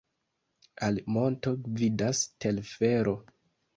Al monto gvidas telfero.